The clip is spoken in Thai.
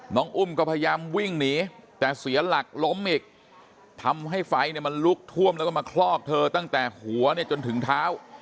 อุ้มก็พยายามวิ่งหนีแต่เสียหลักล้มอีกทำให้ไฟเนี่ยมันลุกท่วมแล้วก็มาคลอกเธอตั้งแต่หัวเนี่ยจนถึงเท้า